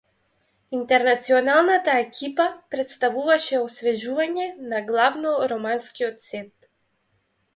Интернационалната екипа претставуваше освежување на главно романскиот сет.